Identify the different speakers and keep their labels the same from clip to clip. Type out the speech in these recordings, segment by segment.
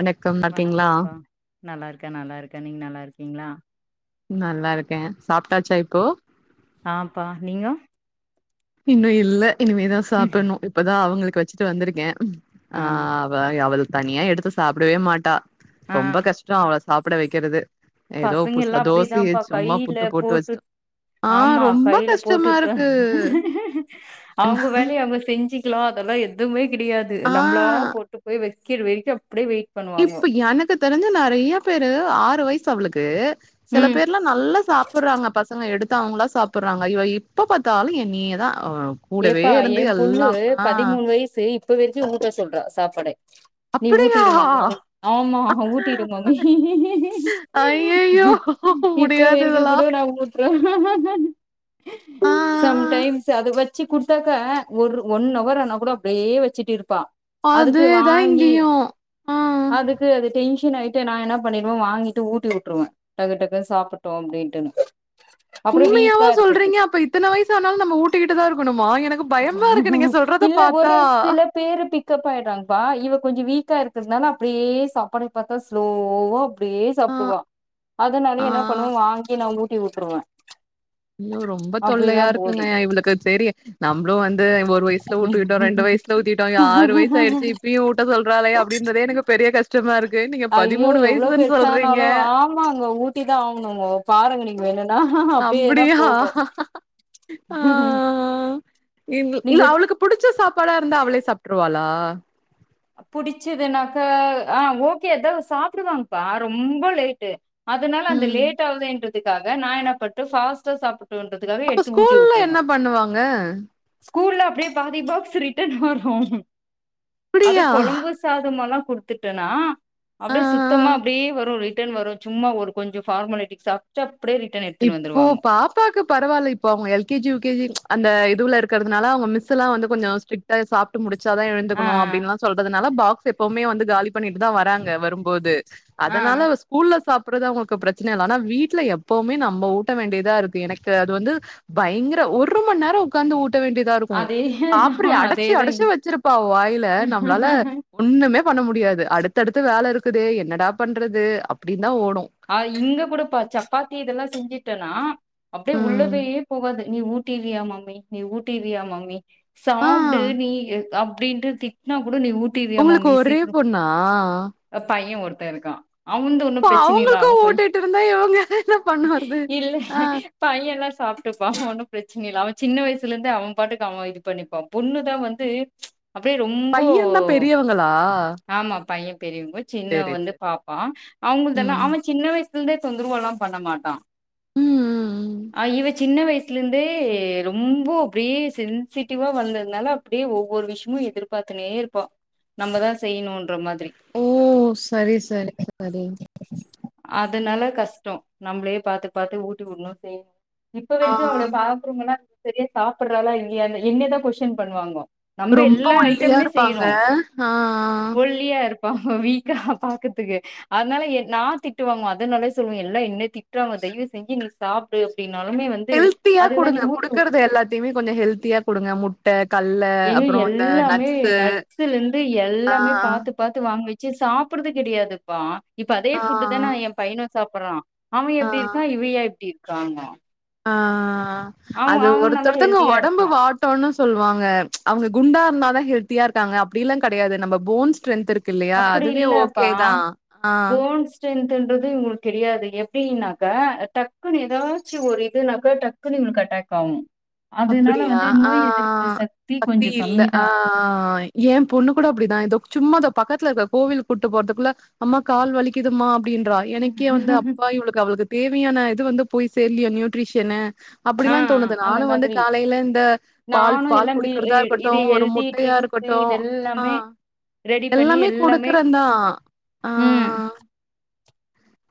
Speaker 1: வணக்கம் நல்லாருக்கீங்களா
Speaker 2: வணக்கம்ப்பா நல்லாருக்கே நல்லாருக்கே நீங் நல்லாருக்கீங்களா
Speaker 1: நல்லாருக்கே சாப்ட்டாச்சா இப்போ
Speaker 2: ஆப்பா நீங்கோ
Speaker 1: இன்னு இல்ல இனிமேதா
Speaker 2: ம்
Speaker 1: சாப்பணு இப்பதா அவங்களுக்கு வச்சிட்டு வந்திருக்கே ஆ அவ அவள் தனியா எடுத்து சாப்டவே மாட்டா
Speaker 2: ஆ
Speaker 1: ரொம்ப கஷ்ட அவள சாப்பட வைக்கிறது
Speaker 2: பசங்க எல்லா அப்டிதான்ப்பா கையில
Speaker 1: புட்டு போட்டு வச்சுட்டோ
Speaker 2: போட்டுட்
Speaker 1: ஆ
Speaker 2: ஆமா
Speaker 1: ரொம்ப
Speaker 2: கையில
Speaker 1: கஷ்டமா
Speaker 2: போட்டுட்ட
Speaker 1: இருக்கு
Speaker 2: அவங்க வேலைய அவங்க செஞ்சிக்கலா அதெல்லா எத்துவுமே கிடையாது
Speaker 1: ஆ
Speaker 2: நம்மளா போ ட்டு போய் வைக்கிற வரைக்கு அப்டியே வெய்ட்
Speaker 1: இப்ப எனக்கு தெரிஞ்ச நெறைய பேரு ஆறு வயசு அவளுக்கு சில
Speaker 2: ம்
Speaker 1: பேர்லா நல்ல சாப்பறாங்க பசங்க எடுத்து அவங்களா சாப்புறாங்க இவ இப்ப பாத்தாலு என்னையேதா ஆ கூடவே
Speaker 2: ஏப்பா
Speaker 1: இருந்து
Speaker 2: ஏன் பொண்ணு
Speaker 1: எல்லா
Speaker 2: பதிமூணு வயசு இப்ப வரைக்கு உட்ட சொல்றா சாப்பாட நீ
Speaker 1: அப்படியா
Speaker 2: ஊட்டிடு மம்மி ஆமா ஊட்டிடு மம்மி
Speaker 1: ஐயையோ
Speaker 2: இப்ப
Speaker 1: முடியாது
Speaker 2: வரைக்கு
Speaker 1: இதெல்லா
Speaker 2: கூட நா ஊட்
Speaker 1: ஆ
Speaker 2: சம்டைம்ஸ் அதுவ ச்சு குடுத்தாக்க ஒரு ஒன் அவர் ஆனா கூட அப்படியே வச்சிட்டு இருப்பா அதுக்கு
Speaker 1: அதேதா
Speaker 2: வாங்கி
Speaker 1: இங்கேயு ஆ
Speaker 2: அதுக் க்கு அது டென்ஷன் ஆயிட்டு நா என்ன பண்ணிருவே வாங்கிட்டு ஊட்டி உட்டுருவே டக்கு டக்குன் சாப்புட்டு அப்டின்ட்டுன்னு அப்றோ வீக்கா
Speaker 1: உண்மையாவா
Speaker 2: இருக்குது
Speaker 1: சொல்றீங்க அப்ப இத்தன வயசான்னாலு நம்ம ஊட்டிக்கிட்டுதா இருக்கணுமா எனக்குப் பயமா இருக்கு நீங்க சொல்றத
Speaker 2: இல்ல ஒரு
Speaker 1: பாத்தா
Speaker 2: சில பேரு பிக்கப் ஆயடுறாங்கப்பா இவ கொஞ்ச வீக்கா இருக்குனால அப்டியே சாப்பாடு பாத்தா ஸ்லோவா அப்டியே
Speaker 1: ஆ
Speaker 2: சாப்டுவா
Speaker 1: ஆ
Speaker 2: அதனாலயே நா என்னா பண்ணுவே வாங்கி நா ஊட்டி வுட்ருவே
Speaker 1: ஐயோ ரொம்ப தொல்லயா இருக்குங்க இவளுக்கு சேரி நம்மளு வந்து ஒரு வயஷ் ல ஊட்டுக்கிட்டோ ரெண்டு வயசல ஊத்திட்டோ ஆறு வயசு ஆய்டுச்சு இப்பயு ஊட்ட சொல்றாலே அப்டின்றதே எனக்கு பெரிய கஷ் டமா இருக்கு நீங்க பதிமூணு வயசுன் சொல்றீங்க
Speaker 2: ஆமா அங்க ஊட்டிதா ஆகணுங்கோ பாருங்க நீங்க வேணும்னா அப்படியேதா
Speaker 1: அப்படியா
Speaker 2: போகு
Speaker 1: ஆ இம்
Speaker 2: நீங்க
Speaker 1: அவளுக்குப் புடிச்ச சாப்பாடா இருந்தா அவளே சாப்ட்ருவாளா
Speaker 2: புடிச்சதுனாக்க ஆ ஓகே அத சாப்வாங்கப்பா ரொம்ப லேட்டு் அதனால அந்த லேட் ஆகுதேன்றதுக்காக நா எனப்பட்டு பாஸ்டா சாப்ட்டுன்ற
Speaker 1: அப்ப ஸ்கூல்ல என்ன பண்ணுவாங்க
Speaker 2: ஸ்கூல்ல அப்படியே பாதி பாக்ஸ் ரிட்டர்ன் வரு அது
Speaker 1: அப்டியா
Speaker 2: கொழம்பு சாதம்மால்லா குடுத்துட்டேனா
Speaker 1: ஆ
Speaker 2: அப்டியே சுத்தமா அப்டியே வரு ரிட்டன் வரு சும்மா ஒரு கொஞ்ச ஃபார்மாலிட்டிக்ஸ் சாப்ட்டு அப்டியே ரிட்டன் எ
Speaker 1: இப்போ பாப்பாக்கு பரவால்ல இப்போ அவங்க L K G U K G அந்த இதுவுல இருக்கறதுனால அவங் மிஸ்சுல்லா வந்து கொஞ்சோ ஸ்ட்ரிட்டா சாப்ட்டு முடிச்சாதா
Speaker 2: ஆ
Speaker 1: எழுந்துக்கணு அப்டின்லா சொல்றதுனால பாக்ஸ் எப்போவுமே வந்து காலி பண்ணிட்டு தா வராங்க வரும்போது
Speaker 2: ஆ ஆ
Speaker 1: அதனால ஸ் ஸ்கூல்ல சாப்பட்றது அவங்கக்கு பிரச்சன இல்ல ஆனா வீட்ல எப் போமே நம்ம ஊட்ட வேண்டியதா இருக்கு எனக்கு அது வந்து பயங்கர ஒரு மண் நேரோ உக்காந்து ஊட்ட வேண்டி தா இருக்கு
Speaker 2: அதே
Speaker 1: சாப்பிரி
Speaker 2: ஆ
Speaker 1: அடச்சி
Speaker 2: அதேதா
Speaker 1: அடச்சி
Speaker 2: இங்
Speaker 1: வச்சிருப்பா அவ வாயில நம்ளால ஒண்ணுமே பண்ண முடியாது அடுத்தடுத்து வேல இருக்குதே என்னடா பண்றது அப்டின் தா ஓடு
Speaker 2: ஆ இங்க கூட பா சப்பாத்தி இதெல்லா செஞ்சிட்டன்னா அப்டியே
Speaker 1: ம்
Speaker 2: உள்ளவேயே போகாது நீ ஊட்டிறியா மம்மி நீ ஊட்டிறியா மம்மி
Speaker 1: ஆ
Speaker 2: சாப்டு நீ அப்டின்டு திட்னா கூட நீ ஊட்
Speaker 1: உங்ளுக்கு ஒரே பொண்ணா
Speaker 2: பைய ஒருத்த இருக்கா அவ வந்து ஒன்னு
Speaker 1: இப்ப
Speaker 2: பிரச்
Speaker 1: அவங்களுக்கு ஊட்டிட்டு இருந்தா இவங்க என்ன பண்ணுவர்து அ
Speaker 2: பையன்ல்லா சாப்ட்டுப்பா ஒன்னு பிரச்சன இல்ல அவ சின்ன வயசுல இருந்தே அவ பாட்டுக்கு அவ இது பண்ணிப்பா பொண்ணுதா வந்து அப்டியே ரொம்போ
Speaker 1: பையன் தா பெரியவங்களா
Speaker 2: ஆமா பைய பெரியவங்க சின்னவ
Speaker 1: சேரி
Speaker 2: வந்து
Speaker 1: சேரி
Speaker 2: பாப்பா அவங்க
Speaker 1: ம்
Speaker 2: சின்ன வயசுலந்தே தொந்தரவெல்லா பண்ண மாட்டா
Speaker 1: ம் ம் ம்
Speaker 2: ஆ இவ சின்ன வயசுல இருந்தே ரொம்ப அப்டியே சென்சிட்டிவா வளந்ததுனால அப்டியே ஒவ்வொரு விஷயமு எதிர்பாத்துனே இருப்பா நம்ம தா செய்யணும்ன்ற மாதிரி
Speaker 1: ஓ சரி சரி சரிங்
Speaker 2: அதனால கஷ்டோ நம்ளே பாத்து பாத்து ஊட்டி வுடணு செய்யணு இப்ப
Speaker 1: ஆ
Speaker 2: வரைக்கு அவள பா குருமலா சரியா சாப்பிட்றாலா இல்லயானு என்னதா கொஸ்டின் பண்ணுவாங்கோ நம்ப
Speaker 1: ரொம்ப
Speaker 2: எல்லா
Speaker 1: ஒல்லியா
Speaker 2: ஐட்டமுமே
Speaker 1: இருப்பாங்க
Speaker 2: செய்யிறோ‌
Speaker 1: ஆ ஆ
Speaker 2: ஒல்லியா இருப் ப்பா வீக்கா பாக்கதுக்கு அதனால எ நா திட்டுவாங்கோ அதனாலே சொல்வ எல்லா என்ன திட்ராங்க தயவு செஞ்சு நீ சாப்டு அப்டின்னாலுமே வந்து
Speaker 1: ஹெல்த்தியா
Speaker 2: அதுதா நீ
Speaker 1: குடுங்க
Speaker 2: ஊட்டி
Speaker 1: குடுக்கறது எல்லாத்தையுமே கொஞ்சோ ஹெல்த்தியா குடுங்க முட்ட கல்ல
Speaker 2: ஏங்க
Speaker 1: அப்றோ இந்த
Speaker 2: எல்லாமே
Speaker 1: நட்ஸு
Speaker 2: நட்ஸ்லந்து
Speaker 1: ஆ
Speaker 2: எல்லாமே பாத்து பாத்து வாங் வச்சு சாப்படுது கெடையாதுப்பா இப்ப அதே
Speaker 1: ஆ
Speaker 2: ஃபுட்டு தான எ பையனு சாப்பறா அவன்
Speaker 1: ஆ
Speaker 2: எப்டி இருக்கா இவயா இப்டி இருக்காங்க
Speaker 1: ஆ அது
Speaker 2: நல்லா
Speaker 1: ஒருத்தருத்தங்க
Speaker 2: ஹெல்தியா
Speaker 1: ஒடம்பு
Speaker 2: இருப்பா
Speaker 1: வா ட்டோன் சொல்வாங்க அவங்க குண்டா இருந்தா தா ஹெல்தியா இருக்காங்க அப்டில்லா கெடையாது நம்ம போன் ஸ்ட்ரென்ந்த இரு க்குல்லையா
Speaker 2: அப்படி
Speaker 1: அதுவே ஓகே தா ஆ
Speaker 2: ஸ்ட்ரென்த்துன்றது இவங்களுக்கு கெடையாது எப்டின்னாக்க டக்குன்னு ஏதாச்சு ஒரு இதுனாக்கா டக் க்குனு இவளுக்கு அட்டக் ஆவு
Speaker 1: அப்படியா ஆ சக்தி
Speaker 2: கொஞ்சோ
Speaker 1: இல்ல ஆ
Speaker 2: கம்மிதா
Speaker 1: ஏ பொண்ணு கூட அப்டிதா இதோ சும்மாதா பக்கத்துல இருக்க கோவிலுக் கூட்டு போறதுக்குள்ள அம்மா கால் வலிக்குதும்மா அப்டின்றா எனக்கே வந்து அப்பா இவளுக்கு அவளுக்கு தேவையான இது வந்து போய் சேர்லையே நியூட்ரிஷனு
Speaker 2: ஆ
Speaker 1: அப்டிலா தோணுது
Speaker 2: அந்த
Speaker 1: நானு வந்து
Speaker 2: மாதிரி
Speaker 1: இலந்த பால்
Speaker 2: நானு
Speaker 1: பால்
Speaker 2: எல்லா மீ
Speaker 1: குடிக்கிறதா
Speaker 2: இ-
Speaker 1: இருக்கட்டு
Speaker 2: இது
Speaker 1: ஒரு
Speaker 2: ஹெல்தி
Speaker 1: முட்டையா
Speaker 2: ட்ரிங்க்ஸு
Speaker 1: இருக்கட்டு ஆ
Speaker 2: இதெல்லாமே ரெடி பண்ணி
Speaker 1: எல்லாமே குடுக்குறந்தா ஆ
Speaker 2: ம்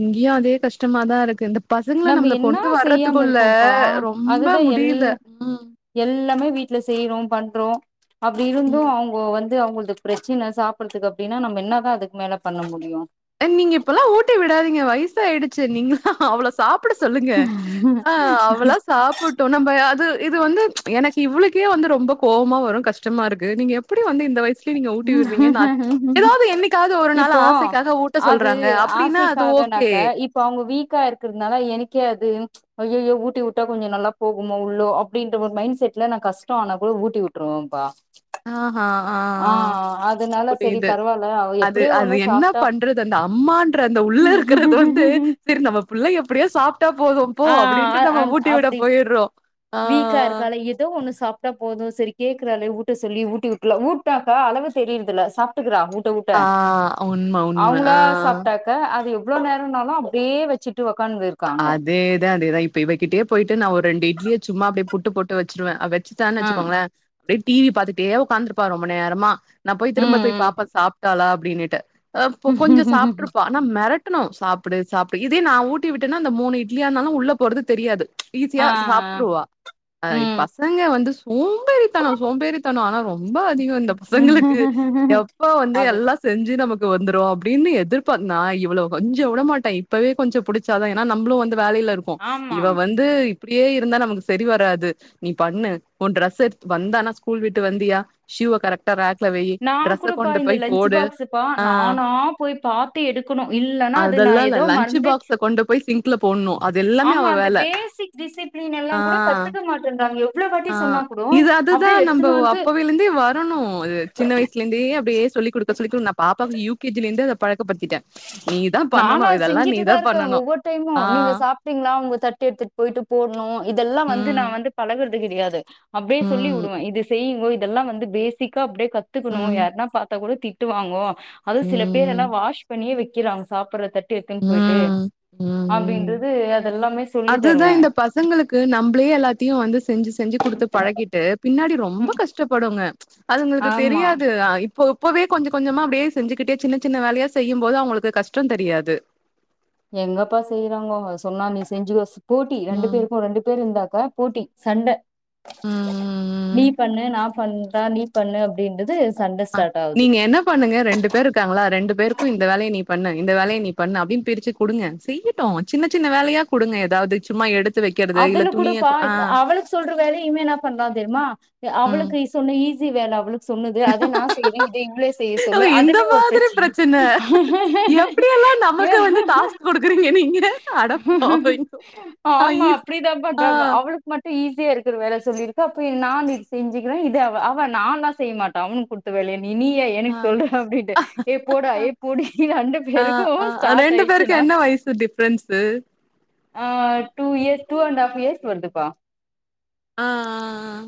Speaker 1: இங்கயு அதே கஷ்டமாதா இருக்கு இந்த பசங்கள
Speaker 2: நம்ம
Speaker 1: நம்ள
Speaker 2: என்னா
Speaker 1: கொண்டு
Speaker 2: செய்யாம
Speaker 1: வர்றதுக்குள்ள
Speaker 2: இருக்கோம்ப்பா
Speaker 1: ரொம்ப
Speaker 2: அதுதா எல்லா
Speaker 1: முடியல ம்
Speaker 2: எல்லாமே வீட்ல செய்றோ பண்றோ அப்டி இருந்து
Speaker 1: ம்.
Speaker 2: அவங்க வந்து அவங்கள்து பிரச்சன சாப்பிட்றதுக்கு அப்டின்னா நம்ம என்ன தா அதுக்கு மேல பண்ண முடியு
Speaker 1: நீங்க இப்பல்லா ஊட்டி விடாதீங்க வயசா ஆய்டுச்சு நீங்களா அவள சாப்ட சொல்லுங்க ஆ அவளா சாப்பா கூட்டு நம்ம அது இது வந்து எனக்கு இவ்ளுக்கே வந்து ரொம்ப கோபமா வரு கஷ்டமா இருக்கு நீங்க எப்படி வந்து இந்த வயசு செரிங்க ஊட்டி விடுறீங்க எதாவது என்னைக்காவது ஒரு நாள்
Speaker 2: இப்போ
Speaker 1: ஆசைக்காக ஊட்
Speaker 2: அது
Speaker 1: சொல்றாங்க அப்டின்னா அது ஓகே
Speaker 2: ஆசைக்காகனாக்க இப்ப அவங்க வீக்கா இருக்கிறதுனால எனக்கே அது ஐயயோ ஊட்டி விட்டா கொஞ்சோ நல்லா போகுமோ உள்ளோ அப்டின்ற ஒரு மைண்ட் செட்ல நான் கஷ்ட ஆனா கூட ஊட்டி உட்ருவேன்பா
Speaker 1: ஆ ஆஹான் ஆ
Speaker 2: அதனால செரி
Speaker 1: புரியுது
Speaker 2: பரவால்ல அவ
Speaker 1: அது
Speaker 2: எப்டியோ
Speaker 1: அது
Speaker 2: ஒண்ணு
Speaker 1: என்ன
Speaker 2: சாப்ட்டா
Speaker 1: பண் றது அந்த அம்மான்ற அந்த உள்ள இருக்குறது வந்து சரி நம்ம புள்ள எப்டியோ சாப்ட்டா போது போ
Speaker 2: ஆ
Speaker 1: அப்டின்ட்டு நம்ம
Speaker 2: அ
Speaker 1: ஊட்டி விட
Speaker 2: அப்டி
Speaker 1: போய்ட்றோ ஆ ஆ
Speaker 2: எதோ ஒன்னு சாப்ட்டா போது சரி கேக்குறாளே ஊட்ட சொல்லி ஊட்டிவிட்ருலா ஊட்னாக்கா அளவு தெரியறதில்ல சா ப்டுக்கறா ஊட்ட ஊட்ட
Speaker 1: ஆ உண்ம, உண்ம. ஆ
Speaker 2: அவங்களா சாப்ட்டா க அது எவ்ளோ நேரம்னாலு அப்டியே வச்சுட்டு உக்காந்துருக்
Speaker 1: அதேதா அதேதா இப்ப இவகிட்டயே போய்ட்டு நா ஒரு ரெண்டு இட்லிய சும்மா அப்டியே புட்டு போட்டு வச்ருவ அவ வச்சுட்டான்
Speaker 2: ஆ
Speaker 1: வச்சுக்கோங்களே அப்டியே டிவி பாத்துட்டே உக்காந்துருப்பா ரொம்ப நேரமா நா போய் திரும்ப போய்
Speaker 2: ம்
Speaker 1: பாப்பே சாப்ட்டாலா அப்டின்னுட்டு அ ப கொஞ்சோ
Speaker 2: ம்
Speaker 1: சாப்ட்ருப்பா ஆனா மெரட்டணு சாப்டு சாப்டு இதே நான் ஊட்டி விட்டேன்னா அ மூணு இ்ட்லியா இருந்தாலு உள்ள போறது தெரியாது
Speaker 2: ஆ
Speaker 1: ஈசியா சாப்ட்ருவா ஆ
Speaker 2: ம்
Speaker 1: பசங்க வந்து சோம்பேறித்தன சோம்பேறித்தன ஆனா ரொ ம்ப அதிக இந்த பசங்களுக்கு எப்ப வந்து
Speaker 2: அது
Speaker 1: எல்லா செஞ்சு நமக்கு வந்துரு அப்டின் எதிர்பாத்தனா இவ்ளோ கொஞ்சோ உடமாட்ட இப்பவே கொஞ்சோ புடிச் ச்சாதா ஏன்னா நம்மளு வந்து வேலைல இருப்போ
Speaker 2: ஆமா
Speaker 1: இவ வந்து இப்டியே இருந்தா நமக்கு சரி வராது நீ பண்ணு உன் டிரெஸ் எடுத் வந்தானா ஸ்கூல் விட்டு வந்தியா ஷூவ கரெக்டா ராக்லவை
Speaker 2: நா
Speaker 1: டிரெஸ்ஸ
Speaker 2: கூடப்பா
Speaker 1: கொண்டு
Speaker 2: இந்த
Speaker 1: போய்
Speaker 2: லன்ச்
Speaker 1: போடு
Speaker 2: பாக்ஸுப்பா
Speaker 1: ஆ
Speaker 2: நானா போய் பாத்து எடுக்கணு இல்லனா அது நா
Speaker 1: அதெல்லாம் இல்ல
Speaker 2: ஏதோ
Speaker 1: லன்ச்
Speaker 2: மறந்து
Speaker 1: பாக்ஸ கொண்டு போய் சிங்க்ல போட்ணு அது எல்லாமே அவ
Speaker 2: ஆமா அந்த
Speaker 1: வேல
Speaker 2: பேசிக் டிசிப்ளின் எல்லா
Speaker 1: ஆ
Speaker 2: கூட கத்துக்க மாட்டேன்றாங்க எவ்ளோ வாட்டி
Speaker 1: ஆ
Speaker 2: சொன்னா கூடோ
Speaker 1: இது அதுதா
Speaker 2: அப்டியே
Speaker 1: நம்ம
Speaker 2: எடுத்துனு வந்து
Speaker 1: அப்பவேவில இருந்தே வ பண்ணனு அது சின்ன வயசுலருந்தே அப்டியே சொல்லிக்குடுக்க சொல்லிகுடு நா பாப்பாக்கு யூகேஜில இருந்தே பழக்கப்படுத்திட்ட நீ தா பண்ணணு இதெல்லா நீதா
Speaker 2: க்கு
Speaker 1: பண்ணணு
Speaker 2: ஒவ்வொரு டைமு
Speaker 1: ஆ
Speaker 2: நீங்க சாப்ட்டீங்ளா உங்க தட்ட எடுத்துட் போய்ட்டு போட்ணு இதெல்லா வந்து
Speaker 1: ம்
Speaker 2: நான் பழகுறது கிடையாது அப்டியே சொல்லி
Speaker 1: ம்
Speaker 2: விடுவ இது செய்யுங்கோ இதெல்லா வந்து பேசிக்கா அப்டே கத்துக்கணு
Speaker 1: ம்
Speaker 2: யாருன்னா பாத்தா கூட திட்டுவாங்கோ அது சில பேர்
Speaker 1: ம்
Speaker 2: எல்லா வாஷ் பண்ணியே வைக்கிறாங்க சாப்டுற தட்ட எத்துன் போய்ட்டு
Speaker 1: ம் ம் ம்
Speaker 2: அப்டின்றது அதெல்லாமே சொல்லி
Speaker 1: அதுதா
Speaker 2: தருவே
Speaker 1: இந்த பசங்களுக்கு நம்பளே எல்லாத்தையு வந்து செஞ்சு செஞ்சு குடுத்து பழகிட்டு பின்னாடி ரொம்ப
Speaker 2: ம்
Speaker 1: கஷ் கஷ்டப்படுங்க அதுங்களுக்கு
Speaker 2: ஆமா
Speaker 1: தெரியாது அ இப் போ இப்பவே கொஞ்சோ கொஞ்சமா அப்டியே செஞ்சுக்கிட்டே சின்ன சின்ன வேலையா செய்யும்போது அவுங்களுக்கு கஷ்டோ தெரியாது
Speaker 2: எங்கப்பா செய்றாங்கோ அவங்க சொன்னா நீ செஞ்சு வச் போட்டி ரெண்டு
Speaker 1: ம்
Speaker 2: பேருக்கும் ரெண்டு பேரு இருந்தாக்க போட்டி சண்ட
Speaker 1: ம் ம் ம்
Speaker 2: நீ பண்ணு நா பண்றே நீ பண்ணு அப்டின்றது சண்ட
Speaker 1: ஆ
Speaker 2: ஸ்டார்ட் ஆவுது
Speaker 1: நீங்க என்ன பண்ணுங்க ரெண்டு பேர் இருக்காங்களா ரெண்டு பேருக்கு இந்த வேலைய நீ பண்ணு இந்த வேலைய நீ பண்ணு அப்டின்னு பிரிச்சு குடுங்க செய்ய ட்டு சின்ன சின்ன வேலையா குடுங்க எதாவது சும்மா எடுத்
Speaker 2: அதுல கூடப்பா அவளுக்கு சொல்ற வேலையுமே இவ என்ன பண்றான் தெரியுமா
Speaker 1: ம்.
Speaker 2: அவளுக்கு இஸ் சொன்ன ஈஸி வேல அவளுக் சொன்னுது அதை நான் செய்றே இத இவளே செய்ய
Speaker 1: ஓ
Speaker 2: சொல்லு
Speaker 1: இந்த
Speaker 2: அதுலயே ஒரு
Speaker 1: மாதிரி
Speaker 2: பிரச்சன
Speaker 1: எப்படியெல்லாம் நமக்கு வந்து டாஸ்க் குடுக்குறீங்க நீங்க? அட பாவிங்களா.
Speaker 2: ஆமா
Speaker 1: ஐயோ!
Speaker 2: அப்டிதா
Speaker 1: ஆ.
Speaker 2: பண்றாங்க அவளு க்கு மட்டும் ஈஸியா இருக்குற வேல சொல்லிருக்க அப்போ நா இது செஞ்சுக்குற இது அவ அவ நான்லா செய்ய மாட்ட அவனுக்கு குடு த்து வேலைய நீயே
Speaker 1: ஆ.
Speaker 2: எனக்கு சொல்றா அப்டின்ட்டு ஏ போடா ஏ போடி ரெண்டு
Speaker 1: ஆ.
Speaker 2: பேருக்கும் ஸ்டார்ட் ஆயிடுச்சுனா
Speaker 1: ஃப்ரெண்ட்ஸு
Speaker 2: ஆ two years two and half years வருதுப்பா
Speaker 1: ஆ ஆ ஆ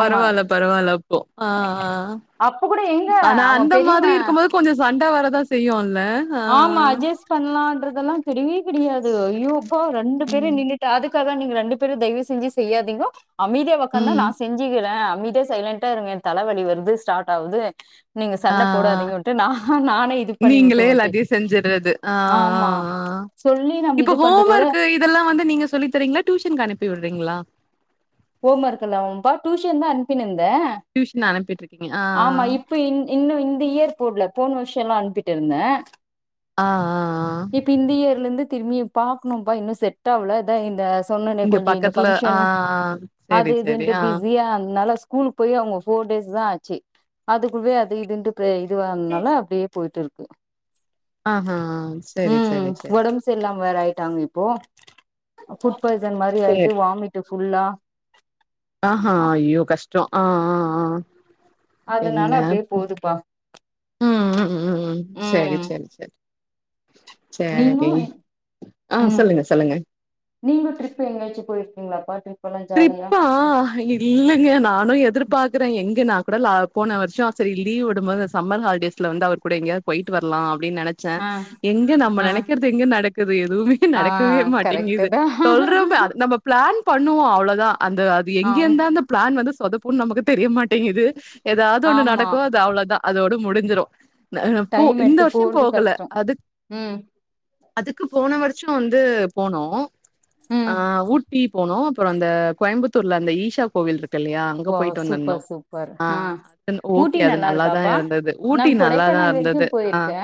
Speaker 2: ஆமா
Speaker 1: பரவால்ல பரவால்ல ஓ ஆ ஆ
Speaker 2: அப்ப கூட எங்க
Speaker 1: ஆனா
Speaker 2: அவன்
Speaker 1: அந்த மாதிரி
Speaker 2: பெரியவன்
Speaker 1: இருக்கும்போது கொஞ்சோ சண்ட வரதா செய்யும்ல ஆ.
Speaker 2: ஆமா அட்ஜஸ்ட் பண்லான்றதெல்லா கெடையவே கெடையாது ஐயோ அப்பா ரெண்டு
Speaker 1: ஆ. ம்.
Speaker 2: பேரும் நின்னுட்டு அதுக் காக நீங்க ரெண்டு பேரும் தயவு செஞ்சு செய்யாதீங்கோ அமைதியா ஒக்காந்தா நா
Speaker 1: ம்
Speaker 2: செஞ்சுக்குற அமைதியா சைலன்ட் டா இருங்க தலவலி வருது ஸ்டார்ட் ஆவுது நீங்க
Speaker 1: ஆ
Speaker 2: சண்ட
Speaker 1: ஆ
Speaker 2: போடாதீங்கன்ட்டு நா நானே இது பண்ணிவிட்டு வண்ட்டு
Speaker 1: செஞ்சுடுறது ஆ ஆ ஆ ஆ ஆ
Speaker 2: சொல்லி நம்ம
Speaker 1: இப்ப
Speaker 2: இது
Speaker 1: ஹோம்
Speaker 2: பண்றதோட
Speaker 1: ஒர்க்கு இதெல்லா வந்து நீங்க சொல்லித் தரீங்களா டியூஷன்க்கு அனுப்பி விடுறீங்களா
Speaker 2: ஹோம் ஒர்க்கெல்லாவாம்பா டியூஷன் தா அனுப்பின்னு இருந்த
Speaker 1: டியூஷன் அனுப்பிட்டு இருக்கீங்க ஆ
Speaker 2: ஆமா இப்ப இன் இன்னு இந்த இயர் போடல போன வருஷோ எல்லா அனுப்பிட்டு இருந்த
Speaker 1: ஆ ஆ ஆ
Speaker 2: இப்ப இந்த இயர்ல இருந்து திரும்பி பாக்கணும்ப்பா இன்னு செட் ஆவல அதா இந்த சொன்னனே
Speaker 1: இங்க
Speaker 2: கொஞ்சோ இந்த
Speaker 1: பக்கத்துல ஆ
Speaker 2: ஃபங்ஷனு
Speaker 1: ஆ
Speaker 2: அது
Speaker 1: செரி செரி
Speaker 2: இதுன்ட்டு
Speaker 1: ஆ
Speaker 2: பிஸியா இருந்தன்னால ஸ்கூலுக் கு போய் அவுங்க ஃபோர் டேஸ் தா ஆச்சு அதுக்குள்ளே அது இதுன்ட்டு எ இதுவாதனால அப்டியே போயிட்டு இருக்கு
Speaker 1: ஆஹா செரி
Speaker 2: உம்
Speaker 1: செரி செரி
Speaker 2: ஒடம்பு சரி இல்லாம வேற ஆயிட்டாங்க இப்போ ஃபுட் பாய்சன் மாரி
Speaker 1: சேரி
Speaker 2: ஆயிட்டு வாமிட்டு ஃபுல்லா
Speaker 1: அப்றோ ஆ ஆ ஆ
Speaker 2: அதனால
Speaker 1: என்ன
Speaker 2: அப்டியே
Speaker 1: போ
Speaker 2: போதுப்பா
Speaker 1: உம் உம் உம் செரி
Speaker 2: ம்
Speaker 1: செரி செரி
Speaker 2: நீங்க
Speaker 1: சேரி ஆ சொல்லுங்க சொல்லுங்க
Speaker 2: நீங்களு ட்ரிப் எங்கயாச்சு போயிருக்கீங்களாப்பா ட்ரிப் எல்லா ஜாலியா
Speaker 1: ட்ரிப்பா இ இல்லங்க நானு எதிர்பாக்குறே எங்க நா கூட லா போன வருஷோ சரி லீவ் விடும்போது சம்மர் ஹாலிடேஸ்ல வந்து அவர் கூட எங்கயாது போயிட்டு வரலா அப்டின்னு நெனைச்ச
Speaker 2: ஆ
Speaker 1: எங்க நம்ம
Speaker 2: ஆ
Speaker 1: நெனைக்கிறது எங்க நடக்குது எதுவுமே
Speaker 2: ஆ
Speaker 1: நடக்கவே
Speaker 2: கரெக்ட்டு
Speaker 1: மாட்டேங்குது
Speaker 2: தா
Speaker 1: சொல்றமே நம்ம பிளான் பண்ணுவோ அவ்வளோதா அந்த எங்க
Speaker 2: ஆம்
Speaker 1: இருந்துதா அந்த பிளான் வந்து சொதப்புன்னு நமக்கு தெரியமாட்டேங்குது ஏதாவது ஒண்ணு
Speaker 2: ஆமா
Speaker 1: நடக்கும் அது அவ்வளோதா அதோட முடிஞ்சிரும் போ
Speaker 2: டைம்
Speaker 1: இந்த
Speaker 2: எடுத்து
Speaker 1: வருஷம்
Speaker 2: போறது
Speaker 1: போகல
Speaker 2: கஷ்டோ
Speaker 1: அது
Speaker 2: ம்
Speaker 1: அதுக்கு போன வருஷோ வந்து போனோ ஆ
Speaker 2: ம்
Speaker 1: ஊட்டி போனோ அப்புறோ வந்து இந்த கோயம்புத்தூர்ல அந்த ஈஷா கோவில் இருக்கு இல்லையா அங்க
Speaker 2: ஓ
Speaker 1: போயிட்டு
Speaker 2: சூப்பர்
Speaker 1: வந்திருந்தோம்.
Speaker 2: சூப்பர் ஆ
Speaker 1: அது ஓகே.
Speaker 2: ஊட்டி
Speaker 1: அது
Speaker 2: நல்லா
Speaker 1: தான்
Speaker 2: இருக்காப்பா
Speaker 1: இருந்தது.
Speaker 2: நா
Speaker 1: ஊட்டி நல்லா தான்
Speaker 2: கொடைக்கானல்
Speaker 1: இருந்தது.
Speaker 2: வரைக்கும்
Speaker 1: ஆ.
Speaker 2: போயிருக்கே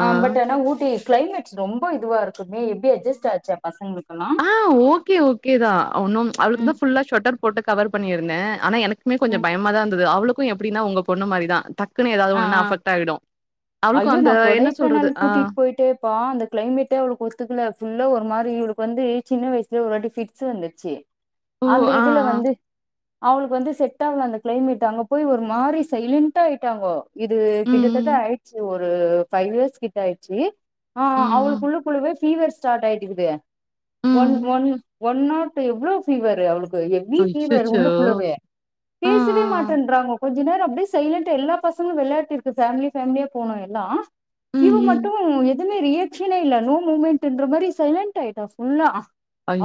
Speaker 2: ஆ பட் ஆனா ஊட்டி கிளைமேட்ஸ் ரொம்ப இதுவா இருக்குமே எப்படி அட்ஜெஸ்ட் ஆச்சு அப் பசங்களுக்குலா
Speaker 1: ஆ ஓகே ஓகே தா ஒன்னும் அவளுக்கு தா
Speaker 2: ம்
Speaker 1: ஃபுல்லா ஷொட்டர் போட்டு கவர் பண்ணியிருந்தே ஆனா எனக்கு க்குமே கொஞ்சம்
Speaker 2: ம்
Speaker 1: பயமா தா இருந்தது அவளுக்கும் எப்டின்னா உங்க பொண்ணு மாரிதா டக்குனு ஏதாவது
Speaker 2: ஆ
Speaker 1: ஒன்னுனா
Speaker 2: ஆ
Speaker 1: அஃபெக்ட் ஆகிடும்
Speaker 2: ஐயோ நா கொடைக்கானல் கூட்டிட்டு போய்ட்டு அப்பா அந்த கிளைமேட்டே அவளுக்கு ஒத்துக்கல ஃபுல்லா ஒரு மாரி இவளுக்கு வந்து சின்ன வயசுலயே ஒரு வாட்டி ஃபிக்ஸ் வந்துருச்சு
Speaker 1: ஓ!
Speaker 2: அந்த
Speaker 1: ஆ,
Speaker 2: இதுல
Speaker 1: ஆ.
Speaker 2: வந்து அவுங்களுக்கு வந்து செட்டாகல அந்த கிளைமேட் அங்க போய் ஒரு மாரி சைலன்ட்டா ஆயிட்டாங்கோ இது
Speaker 1: ம்,
Speaker 2: கிட்டத்தட்ட
Speaker 1: ம்.
Speaker 2: அய் ஒரு பைவ் இயர்ஸ் கிட்ட ஆயிடுச்சு ஆ
Speaker 1: ம், ம்.
Speaker 2: அவளுக்குள்ளுக்குள்ளவே பீவர் ஸ்டார்ட்டாயிட்டுக்கிது ஒன்
Speaker 1: ம்.
Speaker 2: ஒன் ஒன்னவர்குள்ள எவ்ளோவு ஃபீவரு அவளுக் எ எவி ஃபீவரு
Speaker 1: அச்சச்சோ!
Speaker 2: உள்ளக்குள்ளவே
Speaker 1: ஆ, ஆ,
Speaker 2: பேசவே
Speaker 1: ஆ.
Speaker 2: மாட்டேன்றாங்க கொஞ்ச நேரோ அப்டியே சைலண்டா எல்லா பசங்களு வெளையாட்டிருக்கு ஃபேமிலி ஃபேமிலியா போனோ எல்லா
Speaker 1: ம்,
Speaker 2: இவ
Speaker 1: ம்.
Speaker 2: மட்டு எதுமே ரியாக்ஷனே இல்ல நோ மூமெண்ட்ன்ற மாரி சைலெண்ட்டாயிட்டா ஃபுல்லா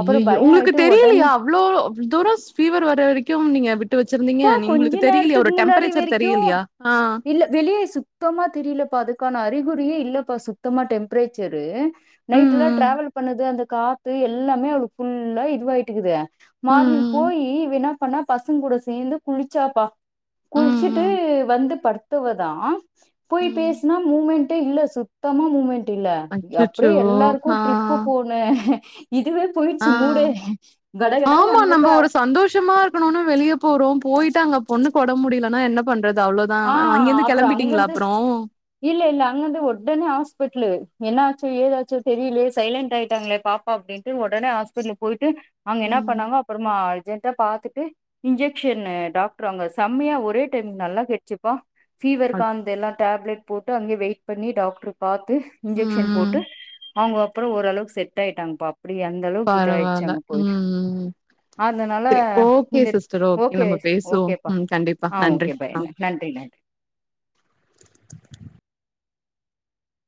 Speaker 2: அப்புறோ பயோ
Speaker 1: உங்களுக்கு
Speaker 2: ஆயிட்டு
Speaker 1: தெரியலையா
Speaker 2: ஒடனே
Speaker 1: அவ்ளோ தூரோ ஃபீவர் வர வரைக்கு நீங்க விட்டு வச்சிருந்தீங்க
Speaker 2: ப்பா கொஞ்ச
Speaker 1: உங்களுக்கு தெரியலையா
Speaker 2: நேரத்துக்கு
Speaker 1: ஒரு டெம்பரேச்சர் தெரியலையா ஆ
Speaker 2: வெளியே சுத்தமா தெரியலப்பா அதுக்கான அறிகுறியே இல்லப்பா சுத்தமா டெம்பரேச்சரு
Speaker 1: ம்,
Speaker 2: நைட்டெல்லா
Speaker 1: ம்.
Speaker 2: டிராவல் பண்ணது அந்த காத்து எல்லாமே அவளுக்கு ஃபுல்லா இதுவாயிட்டுக்கிது
Speaker 1: ம்,
Speaker 2: மார்னிங்
Speaker 1: ம்.
Speaker 2: போயி இவ என்னா பண்ணா பசங்க கூட சேந்து குளிச்சாப்பா
Speaker 1: ம்,
Speaker 2: குளிச்சுட்டு
Speaker 1: ம்.
Speaker 2: வந்து படுத்தவதா போய்
Speaker 1: ம்.
Speaker 2: பேசனா மூமெண்டே இல்ல சுத்தமா மூமெண்ட் டுல்ல அப்றோ
Speaker 1: அச்சச்சோ!
Speaker 2: எல்லாருக்கு
Speaker 1: ஆ,
Speaker 2: ட்ரிப்பு போன இதுவே
Speaker 1: ஆ.
Speaker 2: போயிடுச்சு மூடே கடகடன்னு
Speaker 1: ஆமா, நம்ம
Speaker 2: அங்கதா
Speaker 1: ஒரு சந்தோஷமா இருக்கணுன்னு வெளியே போறோ போயிட்டு அங்க பொண்ணுக்கு ஒடம்பு முடியலனா என்ன பண்றது அவ்ளோதா
Speaker 2: ஆ
Speaker 1: அங்கேருந்து
Speaker 2: அப்றோ அங்கிருந்து
Speaker 1: கெளம்பிட்டீங்களா அப்புறோ
Speaker 2: இல்ல இல்ல அங்கருந்து ஒடனே ஹாஸ்பிட்டலு என்னாச்சோ ஏதாச்சோ தெரியலயே சைலன்ட் ஆயிட்டாங்களே பாப் டப்பா அப்டின்னுட்டு ஒடனே ஹாஸ்பிட்டல் போயிட்டு அங்க என்ன
Speaker 1: ம்.
Speaker 2: பண்ணாங்க அப்புறமா அர்ஜென்டா பாத்துட்டு இன்ஜெக்க்ஷன்னு டாக்டர் அங்க செம்மையா ஒரே டைம் நல்லா கேட்டுச்சுப்பா பீவர்க்
Speaker 1: அச்
Speaker 2: காந்த எல்லா டேப்லெட் போட்டு அங்கே வெயிட் பண்ணி டாக்டரு பாத் து இன்ஜக்க்ஷன் போட்டு
Speaker 1: ம்.
Speaker 2: அவங்க அப்புறோ ஓரளவுக்கு செட்டாயிட்டாங்கப்பா அப்டி அங் ந்தளவுக்கு இதாயிடுச்சு
Speaker 1: பரவால்ல.
Speaker 2: அங்க போயி
Speaker 1: ம்.
Speaker 2: அதனால
Speaker 1: சரி. ஓகே
Speaker 2: இந்த
Speaker 1: சிஸ்டர்.
Speaker 2: ஓகே
Speaker 1: நம்ம பேசுவோம்.
Speaker 2: ஓகேப்பா
Speaker 1: ம். கண்டிப்பா.
Speaker 2: ஆ
Speaker 1: நன்றி.
Speaker 2: ஓகே பாய்
Speaker 1: ஆ.
Speaker 2: நன்றி நன்றி